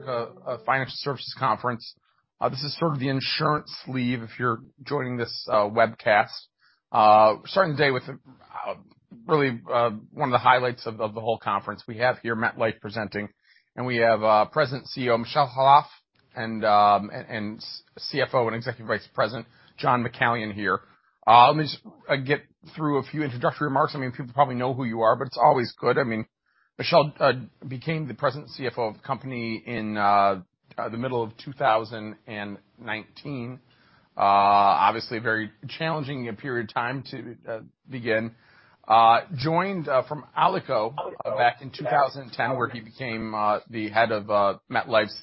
America Financial Services Conference. This is sort of the insurance sleeve if you're joining this webcast. We're starting the day with really one of the highlights of the whole conference. We have here MetLife presenting. We have President CEO Michel Khalaf and CFO and Executive Vice President John McCallion here. Let me just get through a few introductory remarks. I mean, people probably know who you are, but it's always good. I mean, Michel became the present CFO of the company in the middle of 2019. Obviously a very challenging period of time to begin. Joined from Alico back in 2010, where he became the head of MetLife's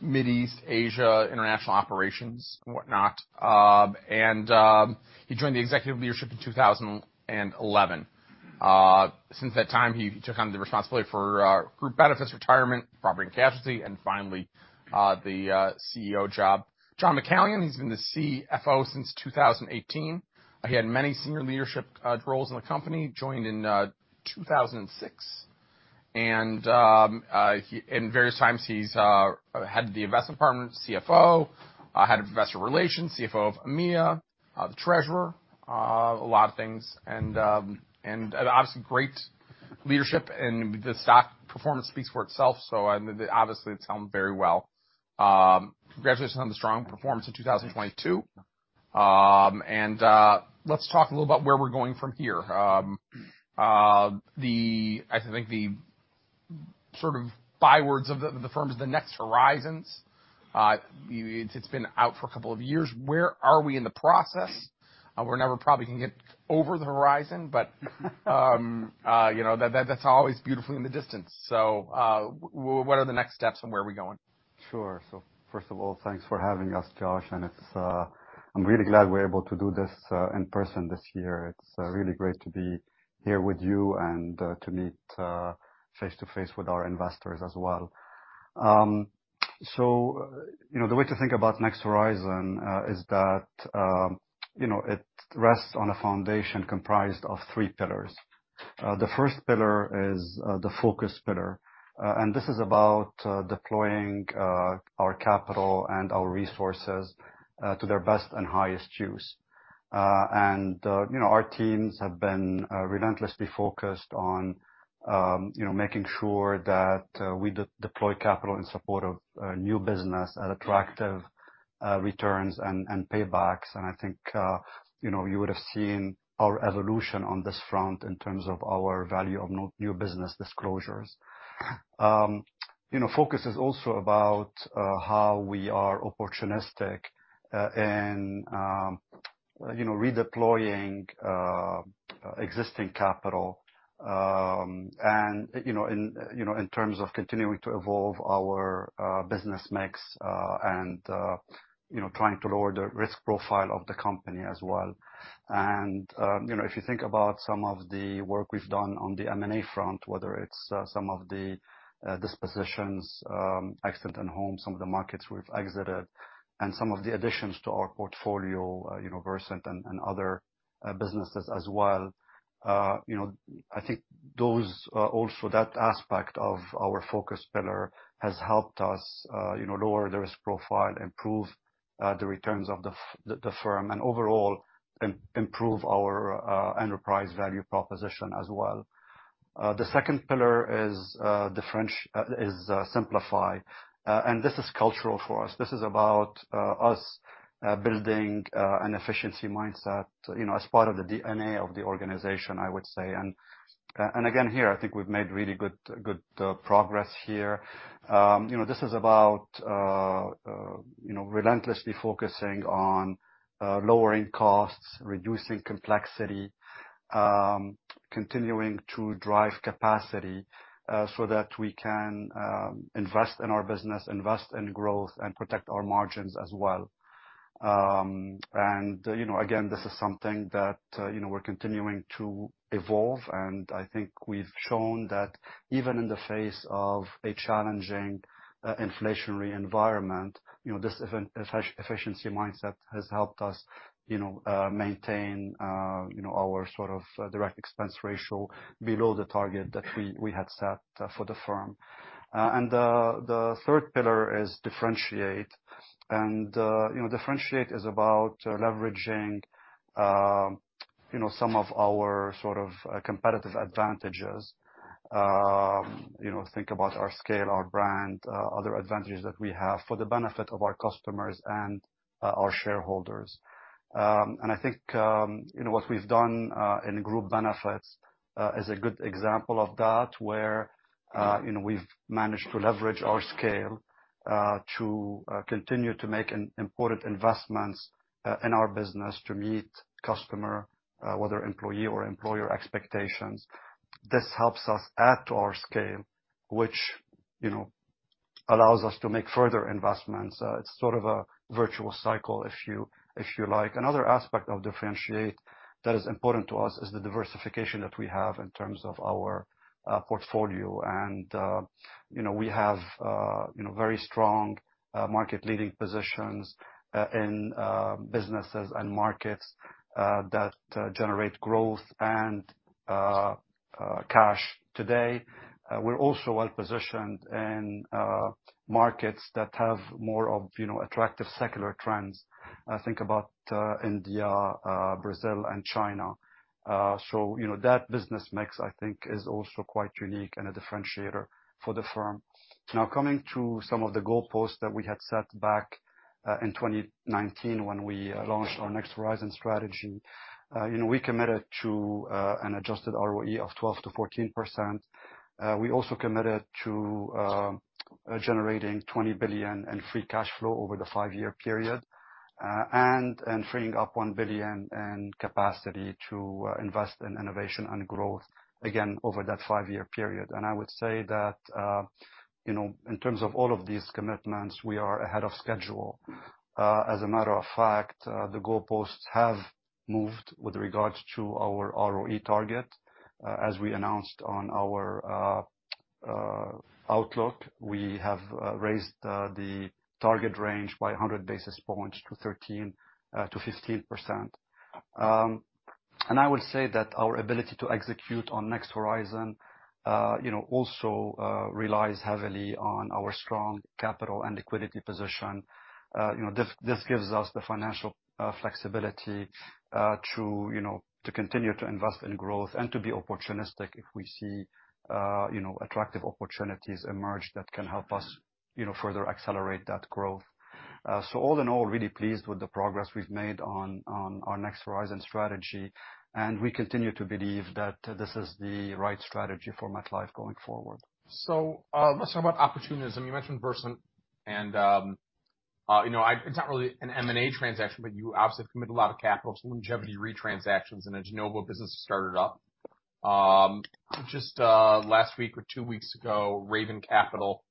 Middle East, Asia, International Operations and whatnot. He joined the executive leadership in 2011. Since that time, he took on the responsibility for Group Benefits, retirement, property and casualty, and finally, the CEO job. John McCallion, he's been the CFO since 2018. He had many senior leadership roles in the company, joined in 2006. In various times he's head of the investment department, CFO, head of investor relations, CFO of EMEA, the treasurer, a lot of things. Obviously great leadership, and the stock performance speaks for itself, so, I mean, obviously it's done very well. Congratulations on the strong performance in 2022. Let's talk a little about where we're going from here. The... I think the sort of bywords of the firm is the Next Horizon. It's been out for a couple of years. Where are we in the process? We're never probably gonna get over the horizon, but. You know, that's always beautifully in the distance. What are the next steps and where are we going? Sure. First of all, thanks for having us, Josh, and it's, I'm really glad we're able to do this in person this year. It's really great to be here with you and to meet face-to-face with our investors as well. You know, the way to think about Next Horizon is that, you know, it rests on a foundation comprised of three pillars. The first pillar is the focus pillar, and this is about deploying our capital and our resources to their best and highest use. You know, our teams have been relentlessly focused on, you know, making sure that we de-deploy capital in support of new business at attractive returns and paybacks. I think, you know, you would have seen our evolution on this front in terms of our value of new business disclosures. You know, focus is also about how we are opportunistic in, you know, redeploying existing capital, and, you know, in, you know, in terms of continuing to evolve our business mix, and, you know, trying to lower the risk profile of the company as well. You know, if you think about some of the work we've done on the M&A front, whether it's some of the dispositions, Auto & Home, some of the markets we've exited and some of the additions to our portfolio, you know, Versant and other businesses as well, you know, I think those also that aspect of our focus pillar has helped us, you know, lower the risk profile, improve the returns of the firm and overall improve our enterprise value proposition as well. The second pillar is simplify. This is cultural for us. This is about us building an efficiency mindset, you know, as part of the DNA of the organization, I would say. Again, here, I think we've made really good progress here. You know, this is about, you know, relentlessly focusing on lowering costs, reducing complexity, continuing to drive capacity, so that we can invest in our business, invest in growth and protect our margins as well. You know, again, this is something that, you know, we're continuing to evolve, and I think we've shown that even in the face of a challenging inflationary environment, you know, this efficiency mindset has helped us, you know, maintain, you know, our sort of direct expense ratio below the target that we had set for the firm. The third pillar is differentiate. You know, differentiate is about leveraging, you know, some of our sort of competitive advantages. You know, think about our scale, our brand, other advantages that we have for the benefit of our customers and our shareholders. And I think, you know, what we've done in Group Benefits is a good example of that, where, you know, we've managed to leverage our scale to continue to make important investments in our business to meet customer, whether employee or employer expectations. This helps us add to our scale, which, you know, allows us to make further investments. It's sort of a virtual cycle if you, if you like. Another aspect of Differentiate that is important to us is the diversification that we have in terms of our portfolio. You know, we have, you know, very strong, market-leading positions in businesses and markets that generate growth and cash today. We're also well positioned in markets that have more of, you know, attractive secular trends. I think about India, Brazil and China. You know, that business mix I think is also quite unique and a differentiator for the firm. Now, coming to some of the goalposts that we had set back in 2019 when we launched our Next Horizon strategy. You know, we committed to an adjusted ROE of 12%-14%. We also committed to generating $20 billion in free cash flow over the five-year period. And freeing up $1 billion in capacity to invest in innovation and growth, again, over that five-year period. I would say that, you know, in terms of all of these commitments, we are ahead of schedule. As a matter of fact, the goalposts have moved with regards to our ROE target. As we announced on our outlook, we have raised the target range by 100 basis points to 13%-15%. I would say that our ability to execute on Next Horizon, you know, also relies heavily on our strong capital and liquidity position. You know, this gives us the financial flexibility to, you know, to continue to invest in growth and to be opportunistic if we see, you know, attractive opportunities emerge that can help us, you know, further accelerate that growth. All in all, really pleased with the progress we've made on our Next Horizon strategy, and we continue to believe that this is the right strategy for MetLife going forward. Let's talk about opportunism. You mentioned Versant and, you know, it's not really an M&A transaction, but you obviously commit a lot of capital to longevity re-transactions, and a de novo business started up. Just last week or two weeks ago, Raven Capital.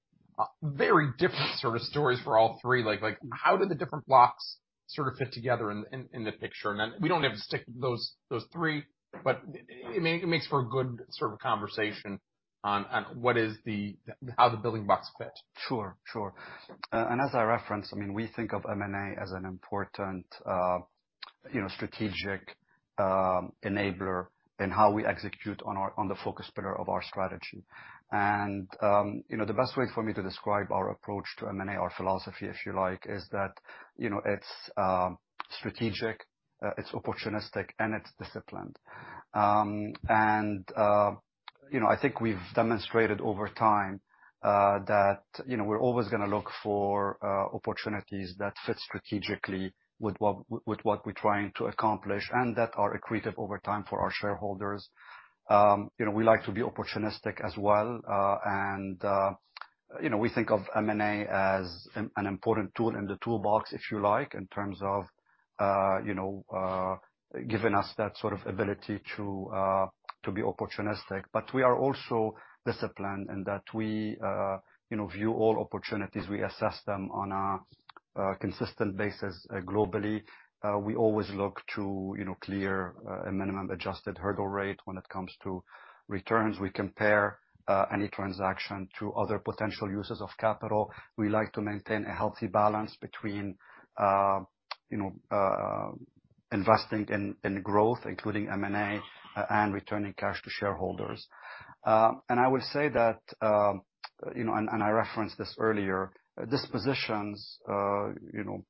Very different sort of stories for all three. Like how do the different blocks sort of fit together in the picture? We don't have to stick to those three, but it makes for a good sort of conversation on what is the... How the building blocks fit? Sure, sure. As I referenced, I mean, we think of M&A as an important, you know, strategic enabler in how we execute on the Focus pillar of our strategy. The best way for me to describe our approach to M&A or philosophy, if you like, is that, you know, it's strategic, it's opportunistic, and it's disciplined. I think we've demonstrated over time that, you know, we're always gonna look for opportunities that fit strategically with what we're trying to accomplish and that are accretive over time for our shareholders. You know, we like to be opportunistic as well. You know, we think of M&A as an important tool in the toolbox, if you like, in terms of, you know, giving us that sort of ability to be opportunistic. We are also disciplined in that we, you know, view all opportunities. We assess them on a consistent basis, globally. We always look to, you know, clear a minimum adjusted hurdle rate when it comes to returns. We compare any transaction to other potential uses of capital. We like to maintain a healthy balance between, you know, investing in growth, including M&A and returning cash to shareholders. I would say that, you know, and I referenced this earlier, dispositions, you know,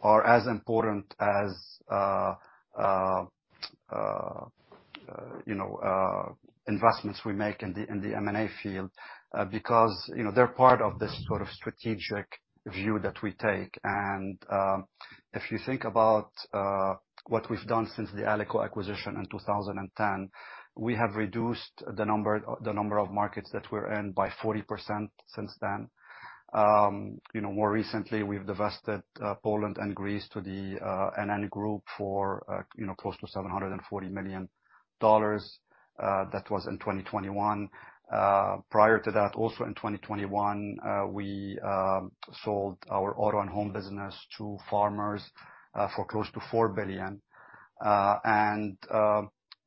are as important as investments we make in the M&A field, because, you know, they're part of this sort of strategic view that we take. If you think about what we've done since the Alico acquisition in 2010, we have reduced the number of markets that we're in by 40% since then. You know, more recently we've divested Poland and Greece to the NN Group for, you know, close to $740 million. That was in 2021. Prior to that, also in 2021, we sold our Auto & Home business to Farmers for close to $4 billion.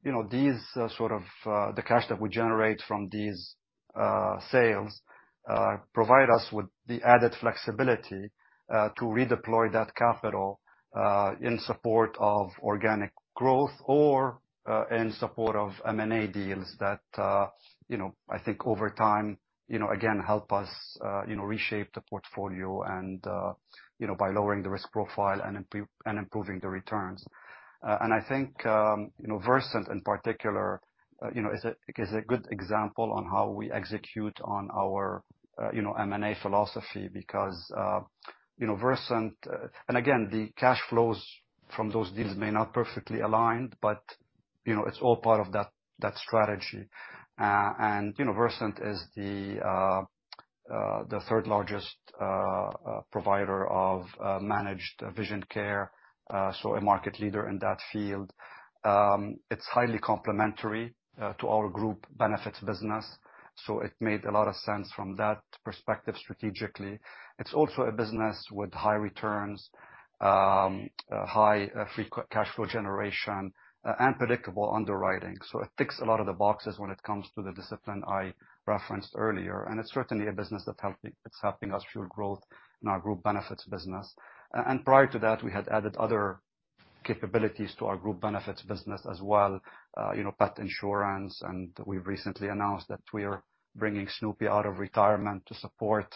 You know, these sort of, the cash that we generate from these, sales, provide us with the added flexibility, to redeploy that capital, in support of organic growth or, in support of M&A deals that, you know, I think over time, you know, again, help us, you know, reshape the portfolio and, you know, by lowering the risk profile and improving the returns. I think, you know, Versant in particular, you know, is a, is a good example on how we execute on our, you know, M&A philosophy because, you know, Versant. Again, the cash flows from those deals may not perfectly align, but, you know, it's all part of that strategy. you know, Versant is the third largest provider of managed vision care, so a market leader in that field. It's highly complementary to our Group Benefits business, so it made a lot of sense from that perspective strategically. It's also a business with high returns, high free cash flow generation, and predictable underwriting. It ticks a lot of the boxes when it comes to the discipline I referenced earlier, and it's certainly a business that's helping us fuel growth in our Group Benefits business. Prior to that, we had added other capabilities to our Group Benefits business as well, you know, Pet Insurance, and we've recently announced that we are bringing Snoopy out of retirement to support,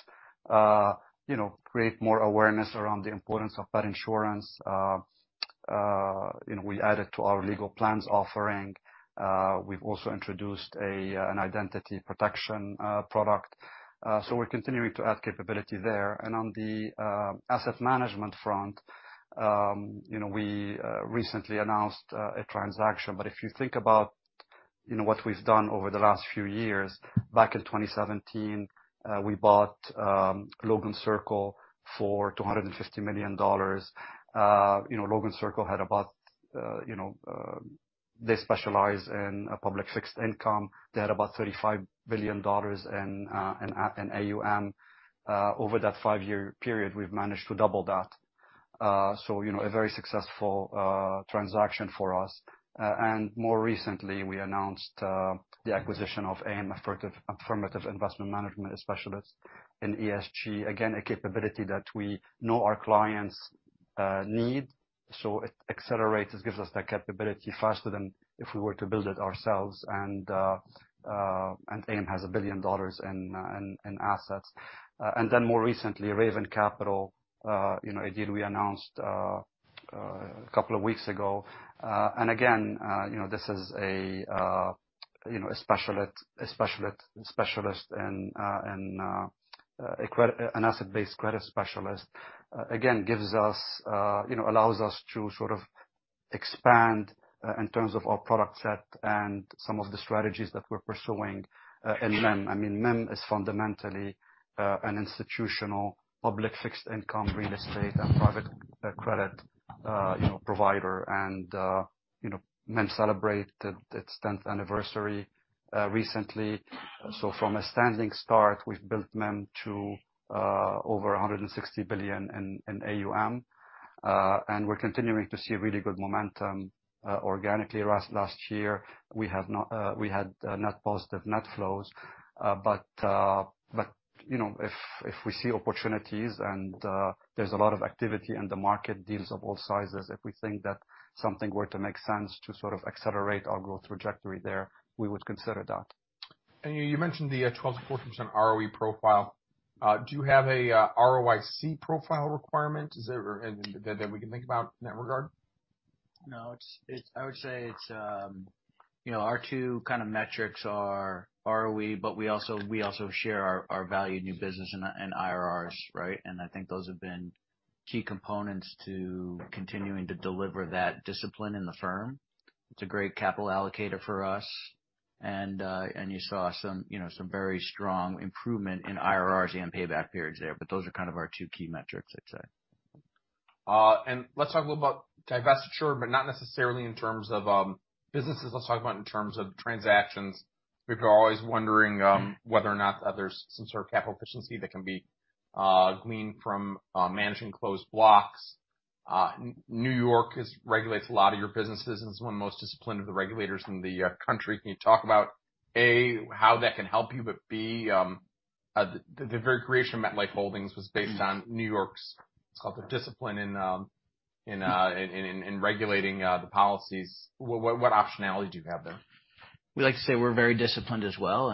you know, create more awareness around the importance of Pet Insurance. You know, we added to our Legal Plans offering. We've also introduced an Identity Protection product. We're continuing to add capability there. On the asset management front, you know, we recently announced a transaction. If you think about, you know, what we've done over the last few years, back in 2017, we bought Logan Circle for $250 million. You know, Logan Circle had about, you know, they specialize in public fixed income. They had about $35 billion in AUM. Over that 5-year period, we've managed to double that. You know, a very successful transaction for us. More recently, we announced the acquisition of AIM Affirmative Investment Management, a specialist in ESG. Again, a capability that we know our clients need, so it accelerates. It gives us that capability faster than if we were to build it ourselves. And AIM has $1 billion in assets. And then more recently, Raven Capital, you know, a deal we announced a couple of weeks ago. And again, you know, this is a, you know, a specialist, a specialist in an asset-based credit specialist. Again, gives us, you know, allows us to sort of expand in terms of our product set and some of the strategies that we're pursuing in MIM. I mean, MIM is fundamentally an institutional public fixed income real estate and private credit, you know, provider and, you know, MIM celebrated its 10th anniversary recently. From a standing start, we've built MIM to over $160 billion in AUM, and we're continuing to see really good momentum organically. Last year, we had net positive net flows. But, you know, if we see opportunities and there's a lot of activity in the market, deals of all sizes, if we think that something were to make sense to sort of accelerate our growth trajectory there, we would consider that. You mentioned the 12.4% ROE profile. Do you have a ROIC profile requirement? That we can think about in that regard? No, I would say it's, you know, our two kind of metrics are ROE, but we also share our value new business and IRRs, right. I think those have been key components to continuing to deliver that discipline in the firm. It's a great capital allocator for us, and you saw you know, some very strong improvement in IRRs and payback periods there, but those are kind of our two key metrics, I'd say. Let's talk a little about divestiture, not necessarily in terms of businesses. Let's talk about in terms of transactions. People are always wondering whether or not there's some sort of capital efficiency that can be gleaned from managing closed blocks. New York regulates a lot of your businesses and is one of the most disciplined of the regulators in the country. Can you talk about, A, how that can help you, but B, the very creation of MetLife Holdings was based on New York's discipline in regulating the policies. What optionality do you have there? We like to say we're very disciplined as well,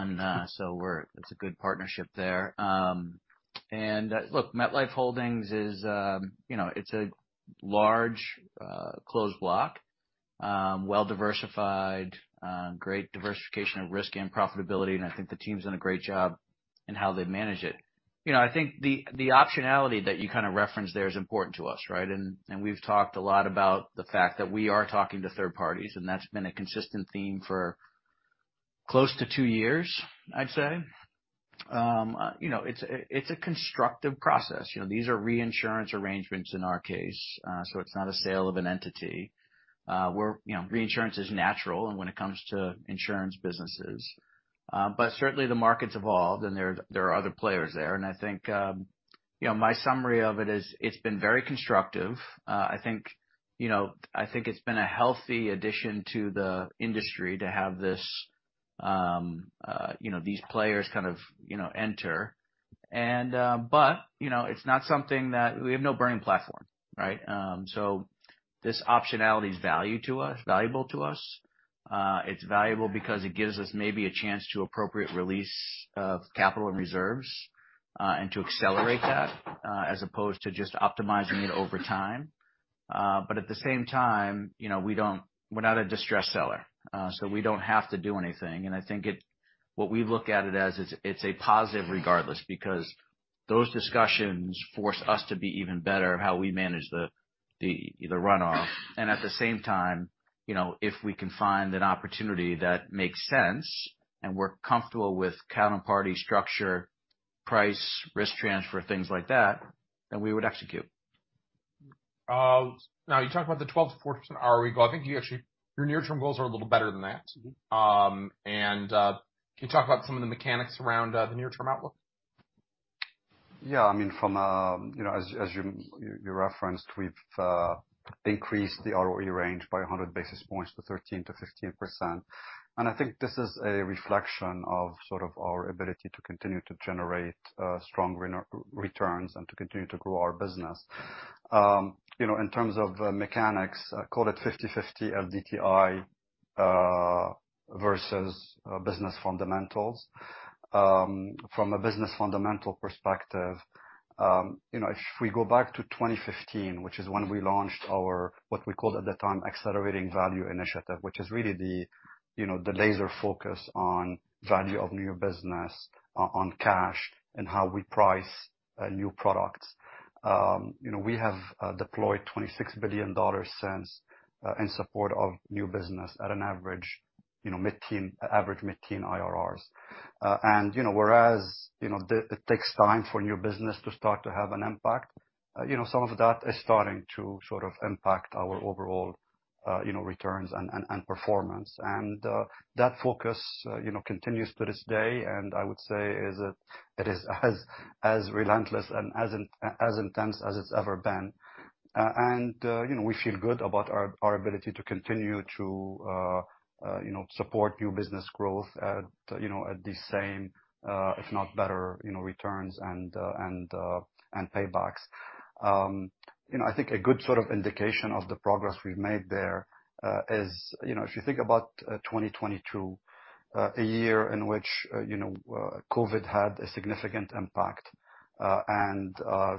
so it's a good partnership there. Look, MetLife Holdings is, you know, it's a large closed block, well-diversified, great diversification of risk and profitability, and I think the team's done a great job in how they manage it. You know, I think the optionality that you kind of referenced there is important to us, right? We've talked a lot about the fact that we are talking to third parties, and that's been a consistent theme for close to two years, I'd say. You know, it's a constructive process. You know, these are reinsurance arrangements in our case, so it's not a sale of an entity. You know, reinsurance is natural and when it comes to insurance businesses. Certainly the market's evolved and there are other players there. I think, you know, my summary of it is it's been very constructive. I think, you know, I think it's been a healthy addition to the industry to have this, you know, these players kind of, you know, enter. You know, it's not something that... We have no burning platform, right? This optionality is value to us, valuable to us. It's valuable because it gives us maybe a chance to appropriate release of capital and reserves, and to accelerate that, as opposed to just optimizing it over time. At the same time, you know, we're not a distressed seller, so we don't have to do anything. I think what we look at it as, it's a positive regardless because those discussions force us to be even better how we manage the runoff. At the same time, you know, if we can find an opportunity that makes sense and we're comfortable with counterparty structure, price, risk transfer, things like that, then we would execute. Now you talked about the 12.4% ROE goal. I think you actually, your near-term goals are a little better than that. Mm-hmm. Can you talk about some of the mechanics around the near-term outlook? I mean, from, as you referenced, we've increased the ROE range by 100 basis points to 13%-15%. I think this is a reflection of sort of our ability to continue to generate strong returns and to continue to grow our business. In terms of mechanics, call it 50/50 LDTI versus business fundamentals. From a business fundamental perspective, if we go back to 2015, which is when we launched our, what we called at the time, Accelerating Value initiative, which is really the laser focus on value of new business, on cash, and how we price new products. We have deployed $26 billion since in support of new business at an average mid-teen IRRs. You know, whereas, you know, it takes time for new business to start to have an impact, you know, some of that is starting to sort of impact our overall, you know, returns and performance. That focus, you know, continues to this day, and I would say is that it is as relentless and as intense as it's ever been. You know, we feel good about our ability to continue to, you know, support new business growth at, you know, at the same, if not better, you know, returns and paybacks. You know, I think a good sort of indication of the progress we've made there, is, you know, if you think about 2022, a year in which, you know, COVID had a significant impact, and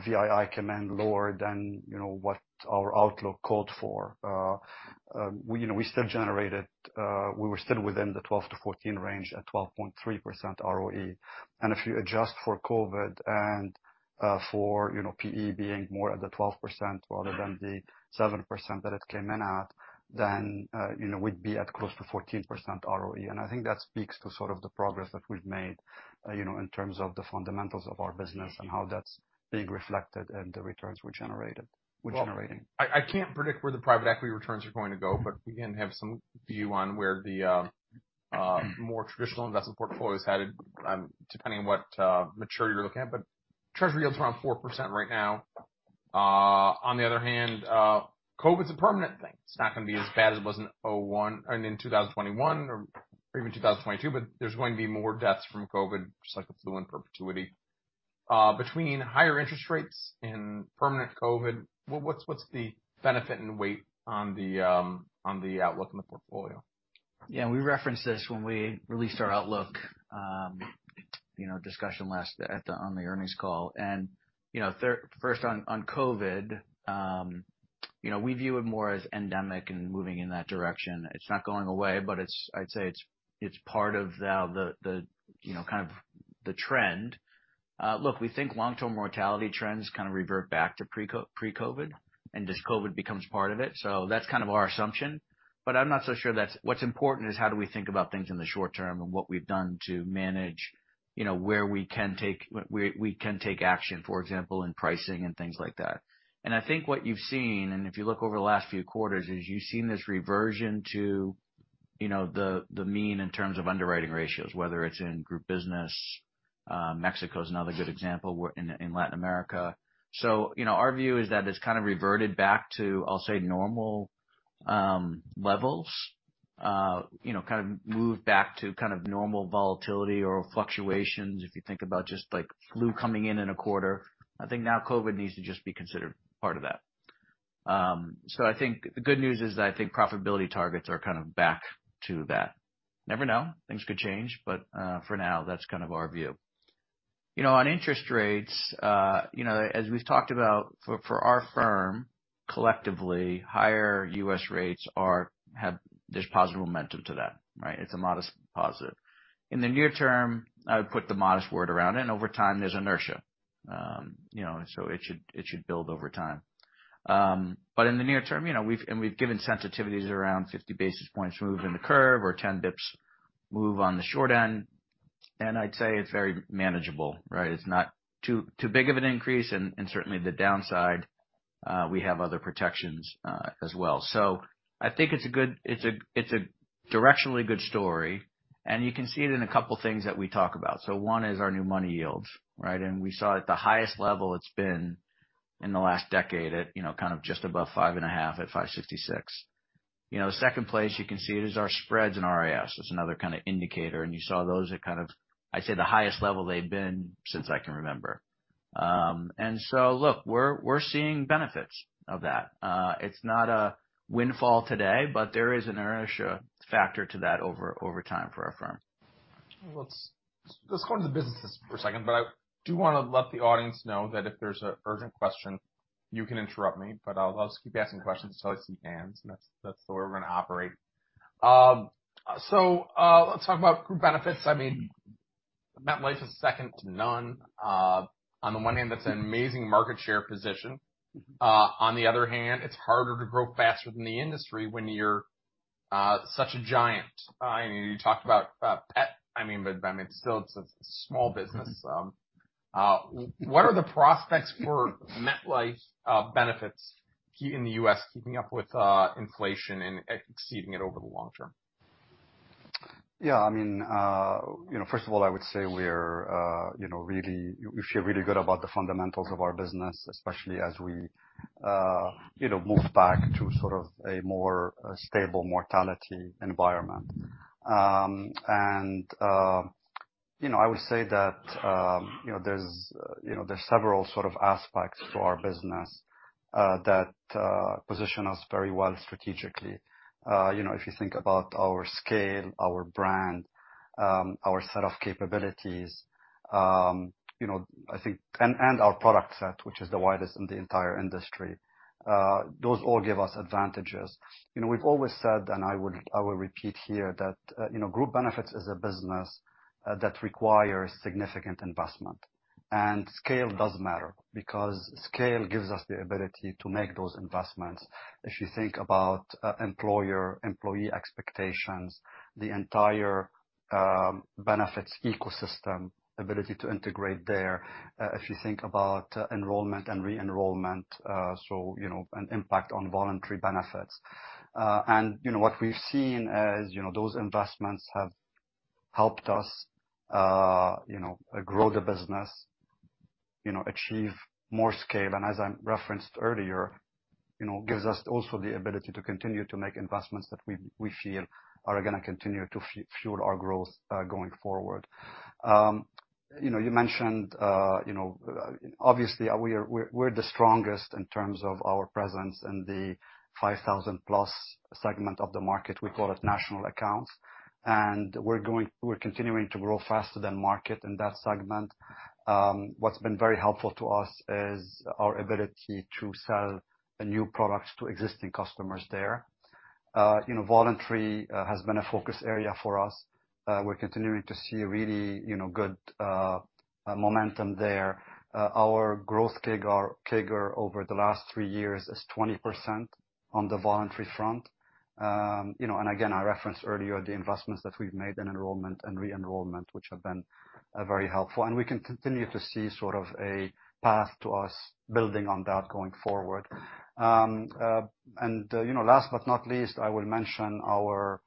VII came in lower than, you know, what our outlook called for. You know, we still generated, we were still within the 12%-14% range at 12.3% ROE. If you adjust for COVID and, for, you know, PE being more at the 12% rather than the 7% that it came in at, then, you know, we'd be at close to 14% ROE. I think that speaks to sort of the progress that we've made, you know, in terms of the fundamentals of our business and how that's being reflected in the returns we're generating. I can't predict where the private equity returns are going to go, but we, again, have some view on where the more traditional investment portfolio is headed, depending on what mature you're looking at. Treasury yield's around 4% right now. On the other hand, COVID's a permanent thing. It's not gonna be as bad as it was in 2001, and in 2021 or even 2022, there's going to be more deaths from COVID, just like the flu, in perpetuity. Between higher interest rates and permanent COVID, what's the benefit and weight on the outlook in the portfolio? We referenced this when we released our outlook discussion last on the earnings call. First on COVID, we view it more as endemic and moving in that direction. It's not going away, but I'd say it's part of the kind of the trend. Look, we think long-term mortality trends kind of revert back to pre-COVID, and just COVID becomes part of it. That's kind of our assumption. I'm not so sure that's what's important is how do we think about things in the short term and what we've done to manage where we can take action, for example, in pricing and things like that. I think what you've seen, and if you look over the last few quarters, is you've seen this reversion to, you know, the mean in terms of underwriting ratios, whether it's in group business, Mexico is another good example, in Latin America. You know, our view is that it's kind of reverted back to, I'll say, normal levels. You know, kind of moved back to kind of normal volatility or fluctuations, if you think about just like flu coming in in a quarter. I think now COVID needs to just be considered part of that. I think the good news is that I think profitability targets are kind of back to that. Never know. Things could change, but for now, that's kind of our view. You know, on interest rates, you know, as we've talked about for our firm, collectively, higher US rates are, there's positive momentum to that, right? It's a modest positive. In the near term, I would put the modest word around it, and over time, there's inertia. You know, so it should build over time. But in the near term, you know, we've given sensitivities around 50 basis points move in the curve or 10 basis points move on the short end. I'd say it's very manageable, right? It's not too big of an increase and certainly the downside, we have other protections as well. I think it's a good, it's a directionally good story. You can see it in a couple things that we talk about. One is our new money yields, right? We saw at the highest level it's been in the last decade at, you know, kind of just above 5.5 at 5.66. You know, second place you can see it is our spreads in RIS. That's another kind of indicator. You saw those at kind of, I'd say, the highest level they've been since I can remember. Look, we're seeing benefits of that. It's not a windfall today, but there is an inertia factor to that over time for our firm. Let's go into the businesses for a second, but I do wanna let the audience know that if there's an urgent question, you can interrupt me, but I'll just keep asking questions until I see hands, and that's the way we're gonna operate. Let's talk about Group Benefits. I mean, MetLife is second to none. On the one hand, that's an amazing market share position. On the other hand, it's harder to grow faster than the industry when you're such a giant. I mean, you talked about pet, I mean, but I mean, still it's a small business. What are the prospects for MetLife benefits in the U.S. keeping up with inflation and exceeding it over the long term? Yeah. I mean, you know, first of all, I would say we're, you know, really. We feel really good about the fundamentals of our business, especially as we, you know, move back to sort of a more, stable mortality environment. You know, I would say that, you know, there's, you know, there's several sort of aspects to our business, that, position us very well strategically. You know, if you think about our scale, our brand, our set of capabilities, you know, I think. Our product set, which is the widest in the entire industry, those all give us advantages. You know, we've always said, and I will repeat here that, you know, Group Benefits is a business, that requires significant investment. Scale does matter because scale gives us the ability to make those investments. If you think about employer-employee expectations, the entire benefits ecosystem, ability to integrate there, if you think about enrollment and re-enrollment, so, you know, an impact on voluntary benefits. You know, what we've seen is, you know, those investments have helped us, you know, grow the business, you know, achieve more scale, and as I referenced earlier, you know, gives us also the ability to continue to make investments that we feel are gonna continue to fuel our growth going forward. You know, you mentioned, you know, obviously we're the strongest in terms of our presence in the 5,000+ segment of the market. We call it national accounts. We're continuing to grow faster than market in that segment. What's been very helpful to us is our ability to sell new products to existing customers there. You know, voluntary has been a focus area for us. We're continuing to see really, you know, good momentum there. Our growth figure over the last three years is 20% on the voluntary front. You know, again, I referenced earlier the investments that we've made in enrollment and re-enrollment, which have been very helpful, and we can continue to see sort of a path to us building on that going forward. You know, last but not least, I will mention our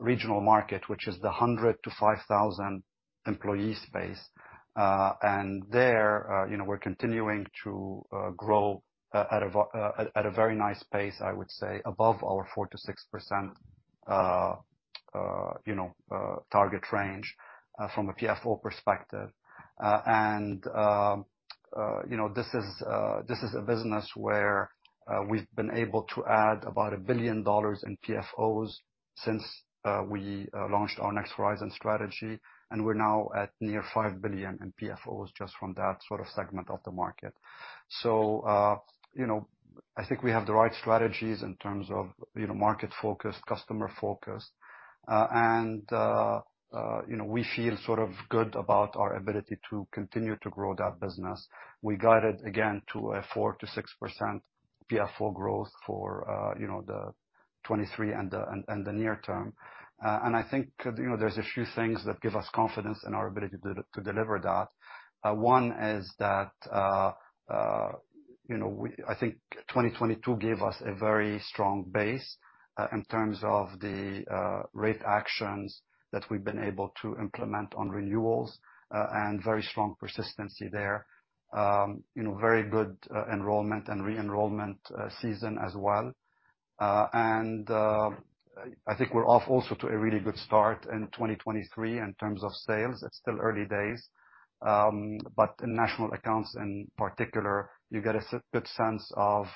regional market, which is the 100 to 5,000 employee space. There, you know, we're continuing to grow at a very nice pace, I would say above our 4%-6% you know, target range from a PFO perspective. You know, this is a business where we've been able to add about $1 billion in PFOs since we launched our Next Horizon strategy, and we're now at near $5 billion in PFOs just from that sort of segment of the market. You know, I think we have the right strategies in terms of, you know, market focus, customer focus. You know, we feel sort of good about our ability to continue to grow that business. We guided again to a 4%-6% PFO growth for, you know, the 2023 and the near term. And I think, you know, there's a few things that give us confidence in our ability to deliver that. One is that, you know, we I think 2022 gave us a very strong base in terms of the rate actions that we've been able to implement on renewals, and very strong persistency there. You know, very good enrollment and re-enrollment season as well. And I think we're off also to a really good start in 2023 in terms of sales. It's still early days, but in national accounts in particular, you get a good sense of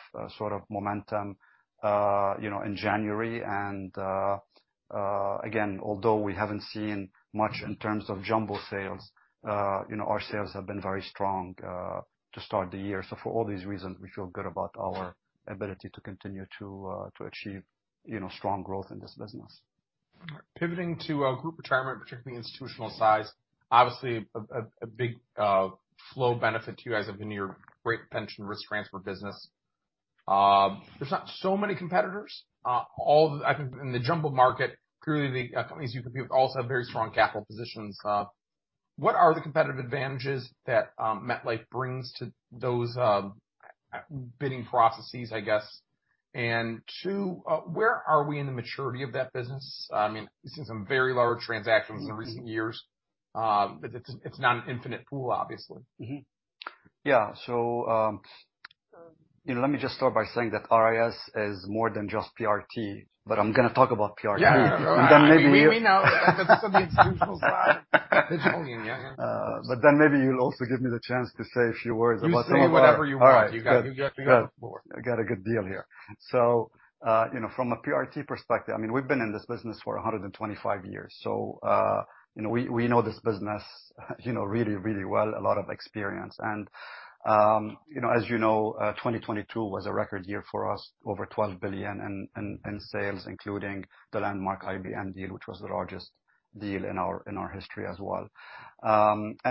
momentum, you know, in January. Again, although we haven't seen much in terms of jumbo sales, you know, our sales have been very strong to start the year. For all these reasons, we feel good about our ability to continue to achieve, you know, strong growth in this business. Pivoting to group retirement, particularly institutional size, obviously a big flow benefit to you guys have been your great pension risk transfer business. There's not so many competitors. All the... I think in the jumbo market, clearly the companies you compete with also have very strong capital positions. What are the competitive advantages that MetLife brings to those bidding processes, I guess? Two, where are we in the maturity of that business? I mean, we've seen some very large transactions in recent years, but it's not an infinite pool, obviously. Yeah. You know, let me just start by saying that RIS is more than just PRT, but I'm gonna talk about PRT. Yeah. And then maybe you- You made me know that that's something institutional side. maybe you'll also give me the chance to say a few words about some of our- You say whatever you want. All right. Good. You got the floor. I got a good deal here. You know, from a PRT perspective, I mean, we've been in this business for 125 years, so, you know, we know this business, you know, really, really well, a lot of experience. You know, as you know, 2022 was a record year for us, over $12 billion in sales, including the landmark IBM deal, which was the largest deal in our history as well.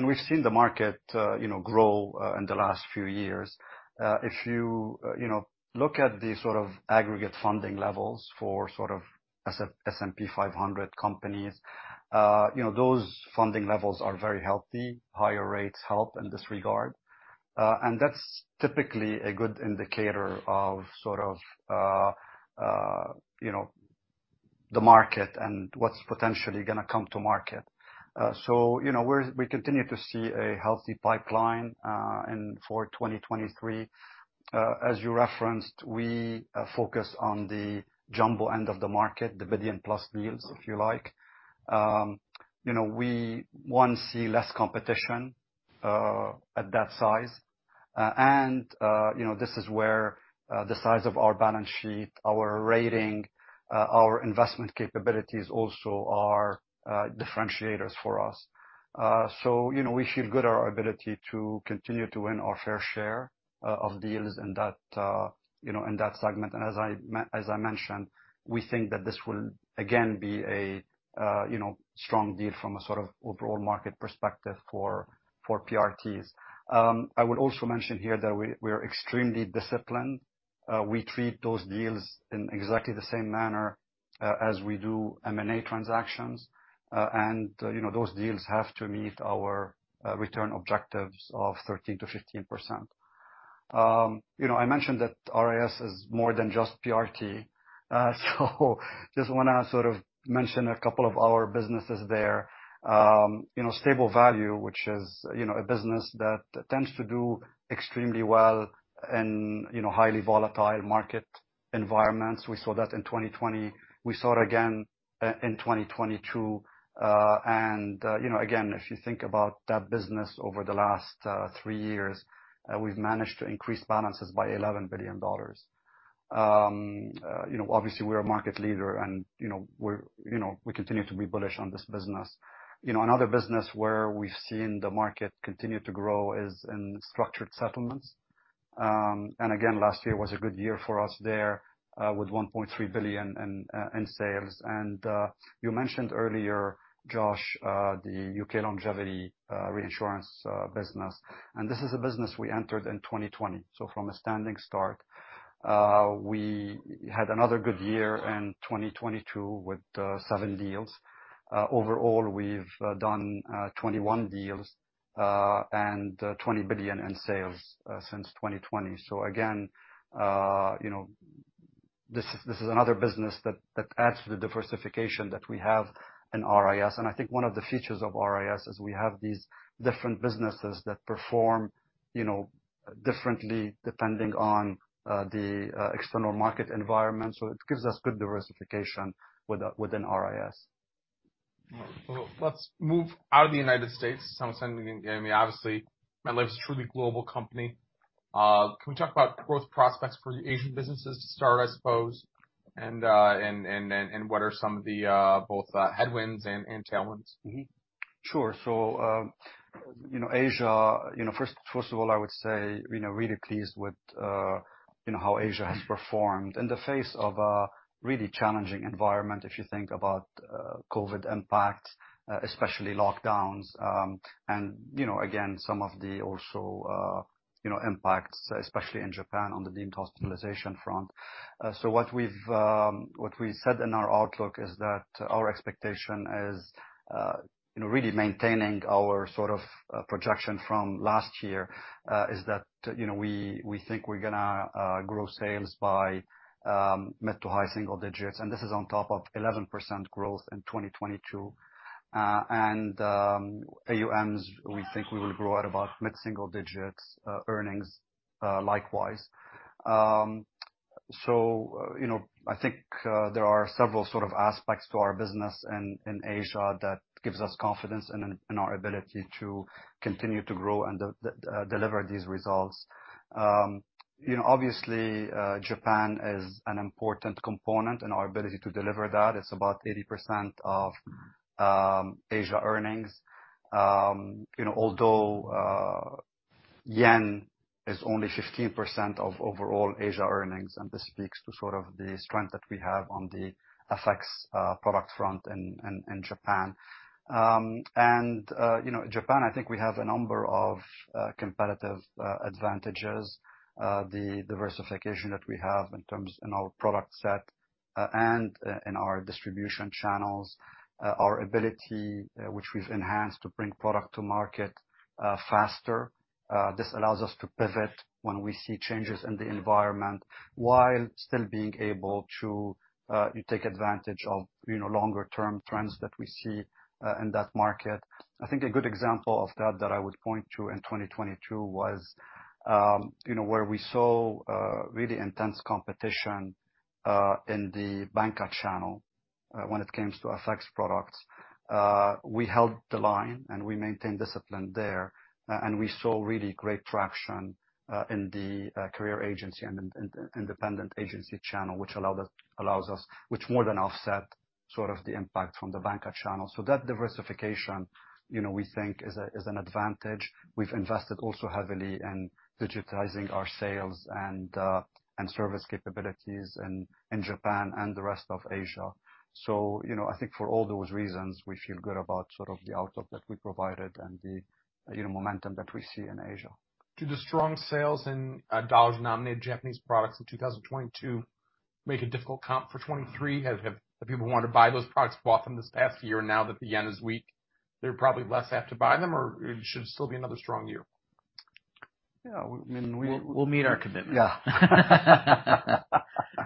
We've seen the market, you know, grow in the last few years. If you know, look at the sort of aggregate funding levels for sort of S&P 500 companies, you know, those funding levels are very healthy. Higher rates help in this regard. That's typically a good indicator of sort of, you know, the market and what's potentially gonna come to market. You know, we continue to see a healthy pipeline, and for 2023, as you referenced, we focus on the jumbo end of the market, the billion-plus deals, if you like. You know, we, one, see less competition at that size. You know, this is where the size of our balance sheet, our rating, our investment capabilities also are differentiators for us. You know, we feel good our ability to continue to win our fair share of deals in that, you know, in that segment. As I mentioned, we think that this will again be a, you know, strong deal from a sort of overall market perspective for PRTs. I would also mention here that we're extremely disciplined. We treat those deals in exactly the same manner as we do M&A transactions. You know, those deals have to meet our return objectives of 13%-15%. You know, I mentioned that RIS is more than just PRT. Just wanna sort of mention a couple of our businesses there. You know, stable value, which is, you know, a business that tends to do extremely well in, you know, highly volatile market environments. We saw that in 2020. We saw it again in 2022. You know, again, if you think about that business over the last three years, we've managed to increase balances by $11 billion. You know, obviously we're a market leader and, you know, we're, you know, we continue to be bullish on this business. You know, another business where we've seen the market continue to grow is in structured settlements. Again, last year was a good year for us there, with $1.3 billion in sales. You mentioned earlier, Josh, the UK longevity reinsurance business, and this is a business we entered in 2020, so from a standing start. We had another good year in 2022 with seven deals. Overall, we've done 21 deals and $20 billion in sales since 2020. Again, you know, this is another business that adds to the diversification that we have in RIS. I think one of the features of RIS is we have these different businesses that perform, you know, differently depending on the external market environment. It gives us good diversification within RIS. Let's move out of the United States. Some sending in Jamie, obviously, MetLife's a truly global company. Can we talk about growth prospects for your Asian businesses to start, I suppose, and what are some of the both headwinds and tailwinds? Sure. You know, Asia, you know, first of all, I would say, you know, really pleased with, you know, how Asia has performed in the face of a really challenging environment, if you think about COVID impact, especially lockdowns. You know, again, some of the also, you know, impacts, especially in Japan on the deemed hospitalization front. What we said in our outlook is that our expectation is, you know, really maintaining our sort of, projection from last year, is that, you know, we think we're gonna grow sales by mid-to-high single digits. This is on top of 11% growth in 2022. AUMs, we think we will grow at about mid-single digits, earnings, likewise. You know, I think there are several sort of aspects to our business in Asia that gives us confidence in our ability to continue to grow and deliver these results. You know, obviously, Japan is an important component in our ability to deliver that. It's about 80% of Asia earnings. You know, although JPY is only 15% of overall Asia earnings, this speaks to sort of the strength that we have on the FX product front in Japan. You know, Japan, I think we have a number of competitive advantages. The diversification that we have in terms in our product set and in our distribution channels. Our ability, which we've enhanced to bring product to market faster. This allows us to pivot when we see changes in the environment while still being able to take advantage of, you know, longer term trends that we see in that market. I think a good example of that that I would point to in 2022 was, you know, where we saw really intense competition in the banker channel when it came to FX products. We held the line, and we maintained discipline there, and we saw really great traction in the career agency and independent agency channel, which allows us, which more than offset sort of the impact from the banker channel. That diversification, you know, we think is a, is an advantage. We've invested also heavily in digitizing our sales and service capabilities in Japan and the rest of Asia. you know, I think for all those reasons, we feel good about sort of the outlook that we provided and the, you know, momentum that we see in Asia. Do the strong sales in dollar-denominated Japanese products in 2022 make a difficult comp for 23? Have the people who wanted to buy those products bought them this past year, now that the yen is weak, they're probably less apt to buy them or it should still be another strong year? Yeah, we mean. We'll meet our commitment. Yeah.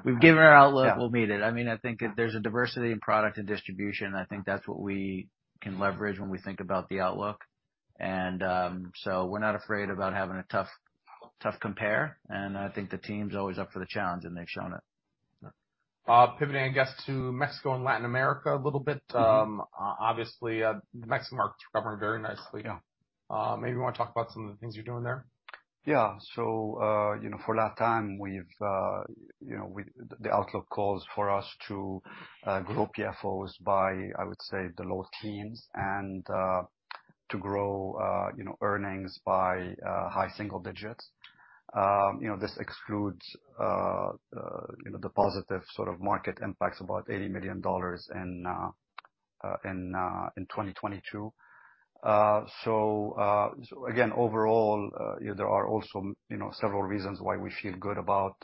We've given our outlook. Yeah. We'll meet it. I mean, I think if there's a diversity in product and distribution, I think that's what we can leverage when we think about the outlook. We're not afraid about having a tough. Tough compare. I think the team's always up for the challenge, and they've shown it. Pivoting, I guess, to Mexico and Latin America a little bit. Mm-hmm. Obviously, the Mexican market is governed very nicely. Yeah. Maybe you wanna talk about some of the things you're doing there? Yeah. You know, for Latin, we've, you know, the outlook calls for us to grow PFOs by, I would say, the low teens and to grow, you know, earnings by high single digits. You know, this excludes, you know, the positive sort of market impacts, about $80 million in 2022. Again, overall, you know, there are also, you know, several reasons why we feel good about,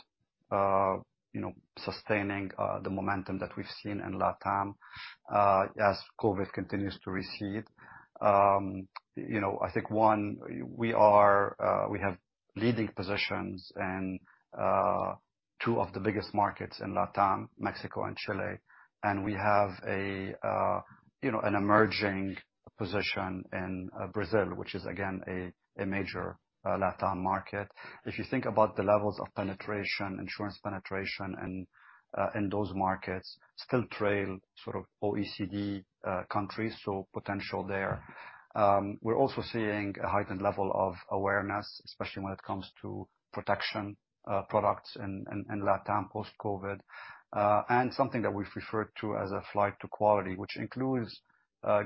you know, sustaining the momentum that we've seen in LatAm, as COVID continues to recede. you know, I think, one, we have leading positions in two of the biggest markets in LatAm, Mexico and Chile, and we have an emerging position in Brazil, which is again a major LatAm market. If you think about the levels of penetration, insurance penetration in those markets still trail sort of OECD countries, so potential there. We're also seeing a heightened level of awareness, especially when it comes to protection products in LatAm post-COVID, and something that we've referred to as a flight to quality, which includes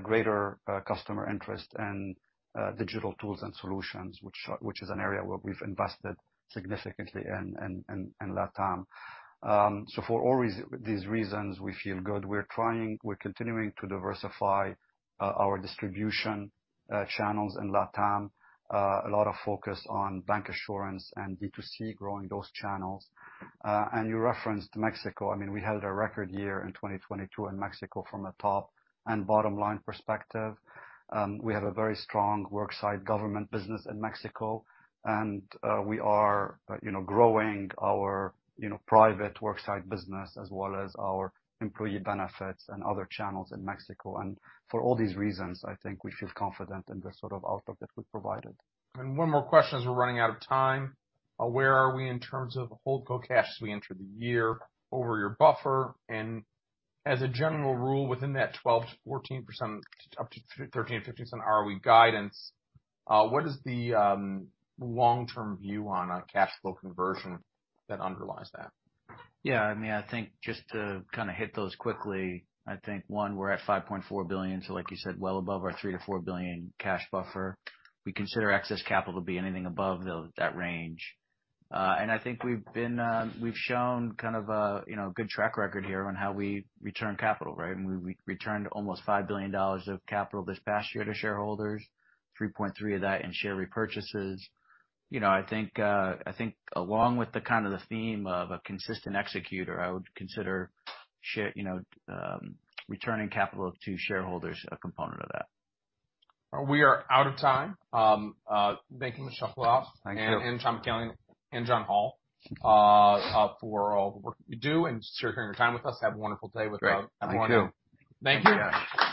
greater customer interest in digital tools and solutions, which is an area where we've invested significantly in LatAm. For all these reasons, we feel good. We're continuing to diversify our distribution channels in LatAm. A lot of focus on bancassurance and D2C, growing those channels. You referenced Mexico. I mean, we held a record year in 2022 in Mexico from a top and bottom line perspective. We have a very strong work site government business in Mexico and we are, you know, growing our, you know, private work site business as well as our employee benefits and other channels in Mexico. For all these reasons, I think we feel confident in the sort of outlook that we've provided. One more question as we're running out of time. Where are we in terms of holdco cash as we enter the year over your buffer? As a general rule, within that 12%-14%, up to 13%-15% ROE guidance, what is the long-term view on cash flow conversion that underlies that? Yeah. I mean, I think just to kind of hit those quickly, I think, one, we're at $5.4 billion, like you said, well above our $3 billion-$4 billion cash buffer. We consider excess capital to be anything above that range. I think we've been, we've shown kind of a, you know, good track record here on how we return capital, right? I mean, we returned almost $5 billion of capital this past year to shareholders, $3.3 of that in share repurchases. You know, I think, along with the kind of the theme of a consistent executor, I would consider share, you know, returning capital to shareholders a component of that. We are out of time. Thank you, Mustafa, and Tom McEligot and John Hall, for all the work that you do, and just for sharing your time with us. Have a wonderful day with your loved ones. Great. Thank you. Thank you.